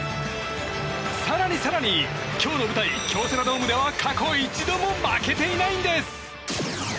更に更に、今日の舞台京セラドームでは過去一度も負けていないんです。